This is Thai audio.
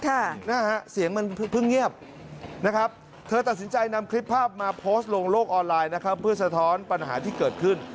ค่ะนะฮะเสียงมันเพิ่งเงียบนะครับเธอตัดสินใจนำคลิปภาพมาโพสต์ลงโลกออนไลน์นะครับเพื่อสะท้อนปัญหาที่เกิดขึ้น